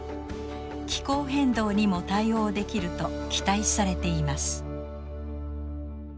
気候変動にも対応できると期待されています。